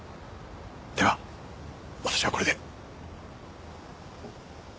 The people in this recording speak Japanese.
では私はこれで。